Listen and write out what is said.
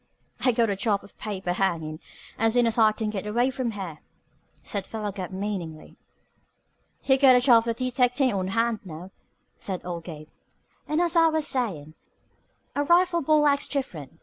"I got a job of paper hangin' as soon as I can get away from here," said Philo Gubb meaningly. "You got a job of detectin' on hand now," said old Gabe. "And, as I was sayin', a rifle ball acts different.